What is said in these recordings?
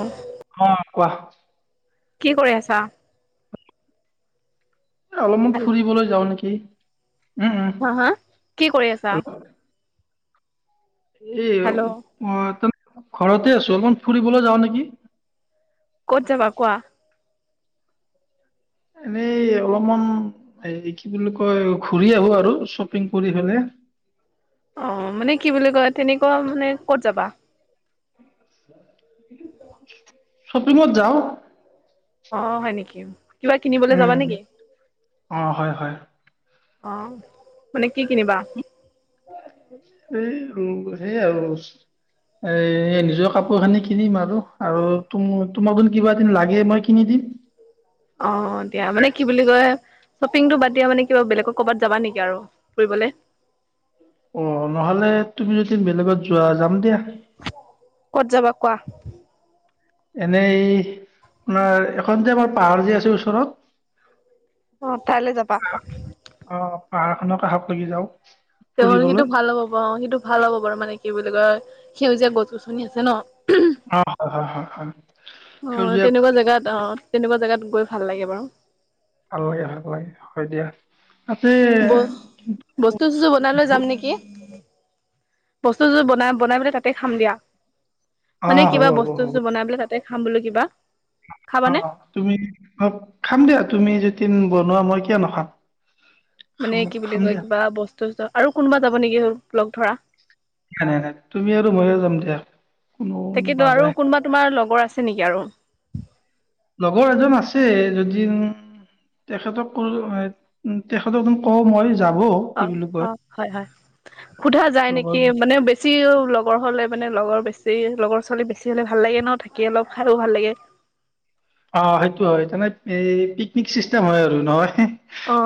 অ অ কোৱা কি কৰি আছা অলপ মান হেল্ল' ফুৰিবলৈ যাওঁ নেকি কি হা হা কি কৰি আছা এ হেল্ল' অ ত ঘৰতে আছো অলপমান ফুৰিবলৈ যাও নেকি ক'ত যাবা কোৱা এনেই অলপমান এই কি বুলি কয় ঘূৰি আহো আৰু শ্বপিং কৰি পেললে অ মানে কি বুলি কয় তেনেকুৱা মানে কত যাবা? চপিঙত যাও অ হয় নেকি কিবা কিনিবলৈ যাবা উম নেকি অ হয় হয় অ মানে কি কিনিবা? এই সেই আৰু এ নিজৰ কাপোৰ খিনি কিনিম আৰু আৰু তুম তোমাক যোন কিবা কিনি লাগে মই কিনি দিম অ দিয়া মানে কি বুলি কয় শ্বপিংটো বাদ দিয়া মানে কিবা বেলেগক কবাত যাবা নেকি আৰু ফুৰিবলে অ নহলে তুমি যদি বেলেগত যোৱা যাম দিয়া ক'ত যাবা কোৱা। এনেই আপোনাৰ এখন যে আমাৰ পাহাৰ যে আছে ওচৰত অ তাইলে যাবা। পাহাৰখনত আহক লি যাওঁ তেলে ফুৰিবলৈ সেইটো ভাল হ'ব পাৰ অ সিটো ভাল হ'ব পাৰু মানে কি বুলি কয়। সেউজীয়া গছ গছনি আছে ন অ হয় হয় হয়। অ সেউজীয়া তেনেকুৱা জেগাত অ তেনেকুৱা জেগাত গৈ ভাল লাগে বাৰু অলি হয় পলাই হয় দিয়া। তাতে ব কিন্তু- বস্তু চস্তু বনাই লৈ যাম নিকি বস্তু যোৰ বনাই বনাই পেলাই তাতে খাম দিয়া। মানে অ', হ'ব কিবা হ'ব বস্তু হ'ব বস্তু বনাই পেলাই তা তাতে খাম বুলি কিবা অ খাবানে তুমি অ খাম দিয়া তুমি যে [unintelligible] বনোৱা মই কিয় নাখাম মানে খাম কি বুলি খাম কয় দিয়া কিবা বস্তু্ত আৰু কোনোবা যাব নেকি হল। লগ ধৰা নাই নাই নাই তুমি আৰু ময়ে যাম দিয়া কোনো তাকেইটো আৰু নাযায় কোনোবা তোমাৰ লগৰ আছে নেকি আৰু? লগৰ এজন আছে যদি উম তেখেতক কলো হৈ তেখেতক কওঁ মই যাম। অ', অ, হয় হয় সোধা যায় লগত নেকি য- মানে বেছি? লগৰ হলে মানে লগৰ বেছি লগৰ ছোৱালী বেছি হ'লে ভাল লাগে ন থাকি অলপ খাইও ভাল লাগে। অ' সেইটো হয় তমানে এই পিকনিক চিষ্টেম হয় আৰু নহয়?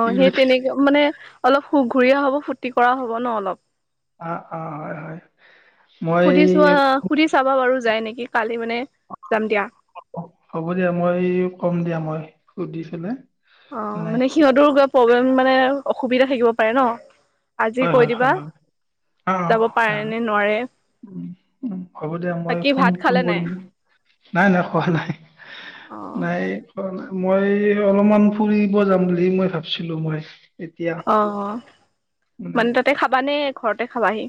কি বুলি সেই তেনেকে মানে অলপ সুখ ঘুৰি আহো ফূৰ্তি কৰাও হ'ব ন অলপ অ', অ', হয় হয় মই খুব কি কালি। মানে যাম দিয়া হ'ব দিয়া মই কম দিয়া মই। সুধিচিলে অহ ', মানে সিহতৰো প্ৰব্লেম মানে অসুবিধা থাকিব পাৰে ন আজি হয় কৈ হয় হয় দিবা অ', যাব হয় পাৰে নে নোৱাৰে উ উ হ'ব দিয়া মই বাকী ফোন ভাত ফোন খালে নাই কৰিম নাই নাই খোৱা নাই অ নাই খোৱা নাই। মই অলপমান ফুৰিব যাম বুলি মই ভাবছিলো মই এতিয়া অ'। মানে তাতে খাবা নে ঘৰতে খাবাহি?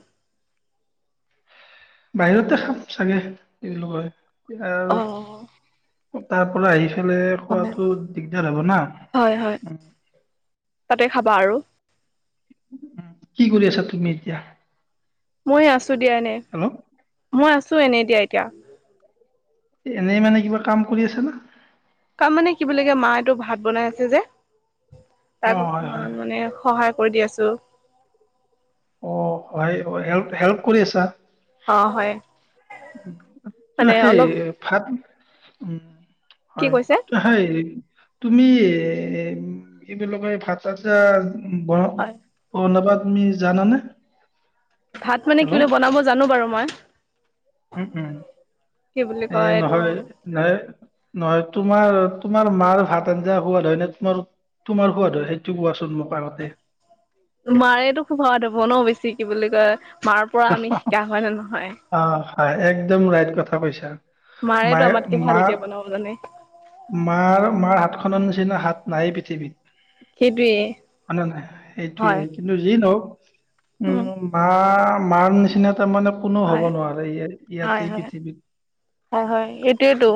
বাহিৰতে খাম চাগে এই লগয়। অ আহ তাৰ পৰা আহিছো। ইফালে হয় খোৱাটো দিগদাৰ হ'ব না। বাৰু কি কৰি আছা তুমি এতিয়া? মই আছো। দিয়া নে হেল্ল' মই আছো। ছো এনেই এ দিয়া এতিয়া এনেই মানে কিবা কাম কৰি আছে না? তাৰ মানে কি বুলি কয় মায়েটো ভাত বনাই আছে যে। অঁ তাক হয় হয় অকমান মানে সহায় কৰি দিয় আছ [unintelligible] অহ ', হয়- হয় হেল্প -হেল্প কৰি আছা? অ হয়। ত মানে সেই অলপ ভাত উম কি হয় কৈছে সেই তুমি এ কি বুলি কয় [unintelligible] হয় [unintelligible] তুমি জানানে? ভাত মানে হেল্ল' বনাব জানো বাৰু মই। উম উম কি বুলি এই কয় নহয় এইটো নহয় নহয় তোমাৰ তোমাৰ মাৰ ভাত আঞ্জা সোৱাদ হয় নে তোমাৰ তোমাৰ সোৱাদ হয় সেইটো কোৱাচোন মোক আগতে মাৰেেতো খুব ভাত হ'ব ন বেছি কি বুলি কয় মাৰ পৰা আমি শিকা হয় নে নহয়? অঁ একদম ৰাইট কথা কৈছা। মাৰেতো মায়ে আমাতকে মা ভালকে বনাব জানে মাৰ- মাৰ হাতত খনৰ নিচিনা হাত নায়েই পৃথিৱত সেইটোৱে হয় নে নাই হয় সেইটোয়ে কিন্তু যি নহওক [inaudible] উম', বা মাৰ নিচিনা তাৰ মানে কোনো হ'ব হয়। নোৱাৰে হয় ইয়াতে এই হয় পৃথিৱীত হয় হয় এইটোয়েটো।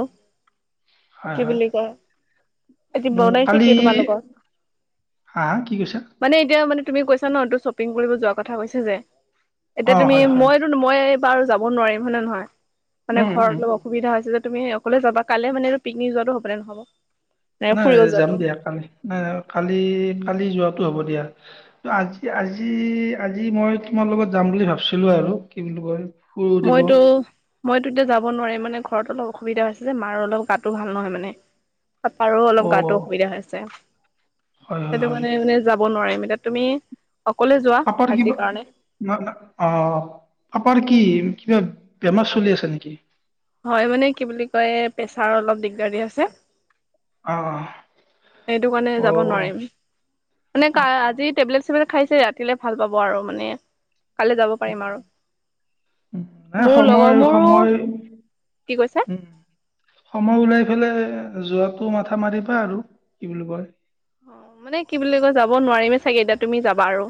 হয় কি হয় বুলি কোৱা? আজি উম বনাইছে কালি কি তোমালোকৰ? হা -হা কি কৈছা? মানে এতিয়া মানে তুমি কৈছা ন টো শ্বপিং কৰিব যোৱাৰ কথা কৈছে যে এতিয়া অ তুমি হয় হয় মইতো মইবাৰো যাম ক'ব নোৱাৰিম হয়ানে নহয়? মানে উম উম ঘৰত উম। অলপ অসুবিধা হৈছে যে তুমি অকলে যাবা কালে মানে পিকনিক যোৱাতো হ'ব নে নহ'ব? নে নাই ফুৰিব যাম দিয়া যোৱাটো? কালি নাই কালি- কালি যোৱা হ'ব দিয়া। আজি -আজি আজি মই তোমাৰ লগত যাম বুলি ভাবিছিলো আৰু কি বুলি কয় ফুৰো দিব মইতো, মইতো এতিয়া যাব নোৱাৰিম মানে ঘৰত অলপ অসুবিধা হৈছে যে মাৰ অলপ গাটো ভাল নহয় মানে- পাপাৰো অলপ অ গাটো অসুবিধা আছে হয় হয় সেইটো হয় কাৰণে মানে যাব নোৱাৰিম এতিয়া এতিয়া তুমি অকলে যোৱা পাপাৰ আজিৰ কিবা কাৰণে না না অহ পাপাৰ কি কিবা বেমাৰ চলি আছে নেকি? হয় মানে কি বুলি কয় প্ৰেছাৰ অলপ দিগদাৰ আছে আহ সেইটো কাৰণে যাব নোৱাৰিম মানে অ অ আজি টেবলেট চেবলেট খাইছে ৰাতিলে ভাল পাব আৰু মানে কাইলৈ যাব পাৰিম আৰু, উম, নাই মোৰ সময় লগৰ মোৰো সময় কি কৈছে এইফালে যোৱাটো মাথা মাৰিবা আৰু কি বুলি কয় অহ মানে কি বুলি কয় যাব নোৱাৰিমে চাগে এতিয়া তুমি যাবা আৰু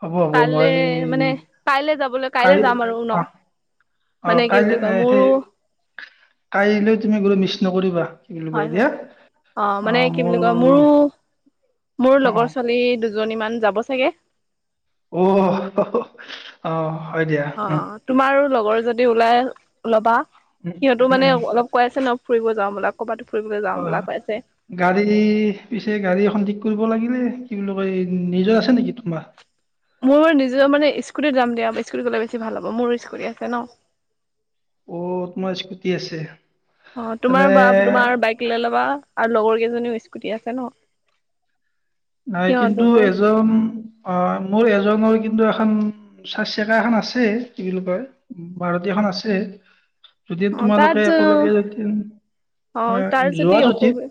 হ'ব, হ'ব, কাইলে মই মানে কাইলে যাবলৈ কাইলে কাই যাম আৰু ন অহ অহ মানে কি বুলি কাইলৈ কয় মোৰো সেই কাইলৈ তুমি গ'লে মিছ নকৰিবা। কি বুলি হয় কয় দিয়া হয় অহ মানে অ', কি মোৰ বুলি কয় মোৰো মোৰ অ', লগৰ অ', ছোৱালী দুজন দুজনীমান যাব চাগে অহ হঅ অহ অহ তোমাৰো লগৰ যদি ওলাই ল'বা উম, সিহঁতো উম, মানে উম, অলপ কৈ আছে নহ ফুৰিব যাওঁ ব'লা ক'বাত হয় হয়, গাড়ী পিছে গাড়ী এখন ঠিক কৰিব লাগিলে কি কয় নিজৰ আছে নেকি তোমাৰ? মোৰ নিজৰ মানে স্কুটি যাম দিয়া স্কুটিত গ'লে বেছি ভাল হ'ব মোৰ স্কুটি আছে নহ অহ তোমাৰ স্কুটি আছে। অহ তেনে তোমাৰ বা তোমাৰ বাইক লৈ ল'বা আৰু লগৰ কেইজনীও স্কুটি আছে নহ নাই কিন্তু এজন অহ মোৰ এজনৰ কিন্তু কিন্তু, এখন চাৰ চাকা এখন আছে কি বুলি কয় মাৰুতী এখন আছে। যদি অ তোমালোকে তাত একেলগে যদি অ এহ তাৰ যোৱা যদি অসুবি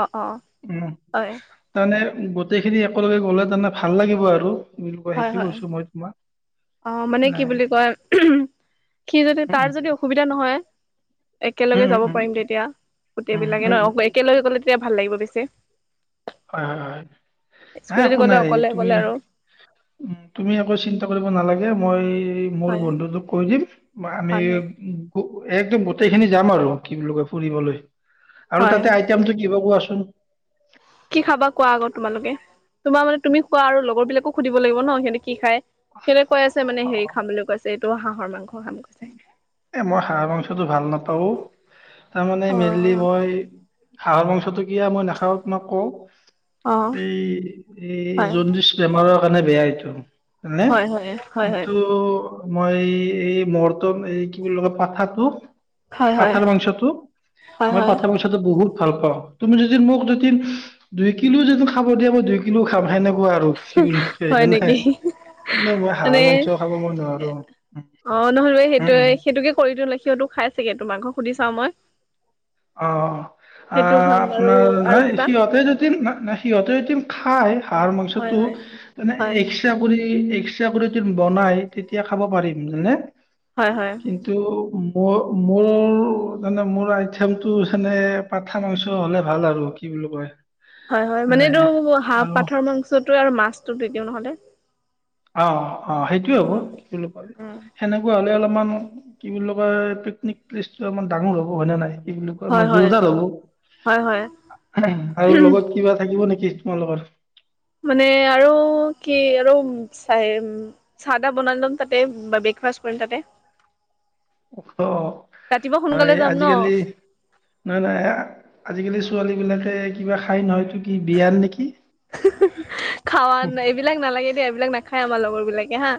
অ অ উম হয় তাৰমানে গোটেইখিনি একেলগে গ'লে তাৰ মানে ভাল লাগিব আৰু কি বুলি কয় হয় সেইটো হয় কৈছো মই তোমাক অহ মানে কি নাই বুলি কয় সি যদি উম, তাৰ উম, যদি অসুবিধা নহয় একেলগে উম, যাব উম, পাৰিম তেতিয়া গোটেই উম, বিলাকে উম, উম, উম, নহ একেলগে গ'লে তেতিয়া ভাল লাগিব বেছি হয়, হয়, হয়, নাই স্কুটিত একো গ'লে নাই অকলে তুমি অকলে আৰু উম তুমি একো চিন্তা কৰিব নালাগে মই মোৰ হয় বন্ধু ত কৈ দিম আমি হয় একদম গোটেইখিনি যাম আৰু কি বুলি কয় ফুৰিবলৈ আৰু হয় হয় তাতে আইটেমতটো কিবা কোৱাচো উম কি খাবা কোৱা আকৌ তোমালোকে তোমাৰ মানে তুমি খোৱা আৰু লগৰ বিলাকো সুধিব লাগিব ন সিহঁতে কি খাই। সেনে কৈ আছে মানে হেৰি খাম বুলি কৈছে ত হাঁহৰ মাংস খাম কৈছে এ মই হাঁহ মাংসটো ভাল নাপাও তাৰমানে অ মেলি হয়ই হাঁহৰ মাংসটো কিয়া মই নাখাওঁ তোমাক কওঁ অ এই এই হয় জণ্ডিছ বেমাৰৰ মানে বেয়া এইটো নে' হয় হয় হয় হয় কিন্তু মই এই ম ম এই কি বুলি লগা পাঠাটো হয় হয় পাথাৰ মাংসটো হয় মই হয় পাথাৰ মাংসটো বহুত ভাল পাওঁ তুমি যদি মোক যদি দুই কিলো যদি খাব দিয়া দুই কিলো খাব সেনেকুৱ আৰু হয় জানে নেকি কিন্ত মই মানে হাঁহৰ মাংস খাব মই নোৱাৰো হ'লেই উম অ সেইটোকে কৰি দি হ'লে সিহঁতো খাই চাগে এই মাস সুধি চাও মই অ সেইটো আহ খাম আৰু আপোনাৰ আৰু নাই কিবা সিহঁতে যদি ন নাই সিহঁতে যদি খাই পাহাৰ হয় মাংসটো হয় মানে হয় এক্স কৰি এক্সট্ৰা কৰি যদি বনাই তেতিয়া খাব পাৰিম জানানে হয় হয় কিন্তু, উম মোৰ মানে মোৰ আই থমটো সেইকাৰণে পাঠা মাংস হলে ভাল আৰু কি বুলি কয় হয়, হয়, মানে এইটো হাঁহ আৰু পাঠৰ মাংচটো আৰু মাছ [unintelligible] দিওঁ নহলে অ অ সেইটোয়ে হ'ব সেনেকুৱা হলে অলপ মান কি বুলি কয় পিকনিক প্লেচটোমান ডাঙৰ হ'ব হয়নে নাই কি বুলি কয় মই হয় হয় জোৰদাৰ হয় হয় হব আৰু লগত কিবা থাকিব নেকি তোমালোকৰ মানে আৰু কি আৰু চ চা টা বনাই লম তাতে বা ব্ৰেকফাষ্ট কৰিম তাতে। অ ৰাতিপুৱা ন সোনকালে এই যাম ন আজিকালি নহ নহয় আজিকালি ছোৱালী বিলাকে কিবা খাই নহয় খাৱান এইবিলাক নালাগে দিয় এই বিলাকনাখায় আমাৰ লগৰ বিলাকে হা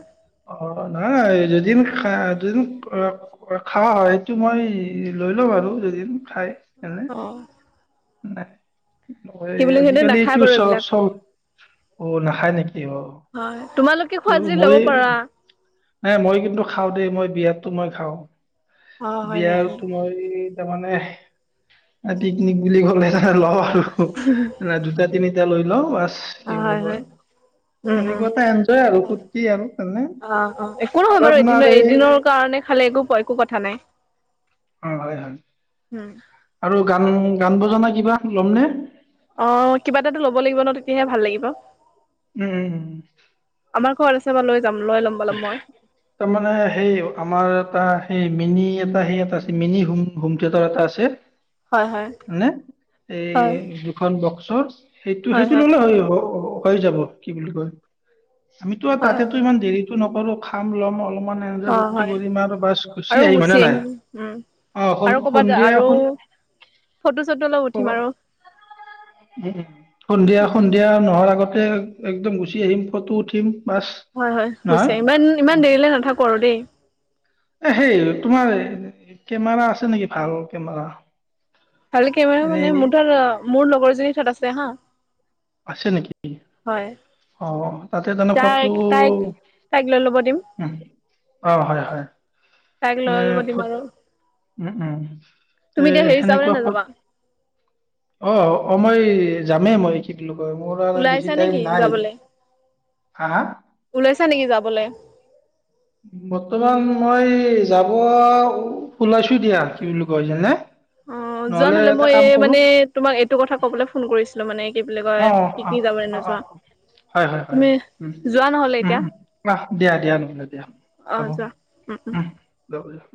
অ নাই [unintelligible] হয় সেইটো মই লৈ লওঁ আৰু [unintelligible] খাই এনে অ উ দে কি বুলি সেইটো নাখায় আজিকালিটো বাৰু চব এইবিলাক চব অ নাখায় নেকি অ হয় তোমালোকে ত' খোৱা যদি ল'ব মই পাৰা [unintelligible] মই কিন্তু খাওঁ দেই মই বিয়েৰতো মই খাওঁ অ হয় নেকি বিয়াত মই তাৰ মানে [unintelligible] বুলি ক'লে [unintelligible] জুতা তিনি এতিয়া লৈ লওঁ অ কি বুলি হয় হয় কয় উম উম সেনেকুৱা এটা এনজয় আৰু ফূৰ্তি আৰু তেনে অ অ একো নহয় আৰু বাৰু এদি আপোনাৰ এই এদিনৰ কাৰণে খালে একো প একো কথা নাই [unintelligible] অ হয় হই [unintelligible] উম আৰু গান গান বজানা কিবা ল'মনেে অ কিবা এটাতো লব লাগিব ন তেতিয়াহে ভাল লাগিব উম চাব ল তাৰমানে সেই আমাৰ এটা এই মিনি এটা সেই এটা আছে মিনি হোম হোম থিয়েটাৰ এটা আছে হয় হয় হে হয় এই দুখন ব ছ সেইটো সেইটো ললে হয় অ ককাই যাব কি বুলি কয় আমিতো আৰু হয় তাতেতো ইমান দেৰি নকৰো খাম ল'ম অল [unintelligible] এনে [unintelligible] অ ফূৰ্তি হয় কৰিম আৰু বাছ গুচি আহিম হয়নে নাই অ আৰু ক'বাত সন্ধিয়া আৰু [unintelligible] ফটো চটো অলপ উঠিম আৰু সন্ধিয়া উম সন্ধিয়া নোহোৱাৰ আগত একদম গুচি আহিম ফটো উঠিম বাছ হয় হয় নহয় গুছে ইমান ইমান উম। দেৰিলে নাথাকো আৰু দেই এ সেই তোমাৰ কেমেৰা আছে নেকি ভাল কেমেৰা ভাল কেমেৰা এনেই মানে মোৰ ধৰ মোৰ লগৰজনীৰ তাত আছে [unintelligible] আছে নেকি হয় অ তাতে তেনে ফটো তাইক তাইক তাইক লৈ ল'ব দিম উ অ হয় হয় তাইক মানে লৈ ল'ব দিম ফট আৰু উম উম এ তুমি এতিয়া হেৰি যাবানে সেনেকুৱা ফল নাযাবা অ অ মই যামেই মই শিকিলো মোৰ [unintelligible] বেছি ওলাইছা টাইম নেকি নাই যাবলে? হা, হা? ওলাইছা নেকি যাবলৈ বৰ্তমান মই যাব ওলাইছো দিয়া কি বুলি কৈ হৈছে নে অ যোৱা নহলে মই এই মানে তোমাক এইটো কথা ক'বলৈ ফোন কৰিছিলো মানে কি বুলি কয় অ অ পিকনিক যাবলৈ অ অ অ নোযোৱা। হয় হয় হয় তুমি উ যোৱা নহ'লে উম এতিয়া? উ আহ দিয়া দিয়া নহলে দিয়া অ', হ'ব উ যোৱা উম, উম। [unintelligible]